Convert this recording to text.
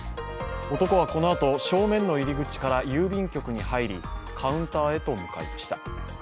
男はこのあと正面の入り口から郵便局に入りカウンターへと向かいました。